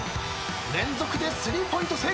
連続でスリーポイント成功。